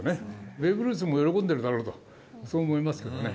ベーブ・ルースも喜んでいるだろうと、そう思いますね。